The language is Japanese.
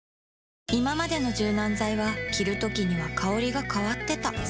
いままでの柔軟剤は着るときには香りが変わってた